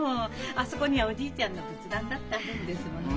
あそこにはおじいちゃんの仏壇だってあるんですもの。